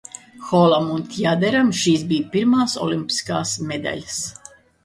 Holam un Tjaderam šīs bija pirmās olimpiskās medaļas.